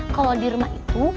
kalo di rumah itu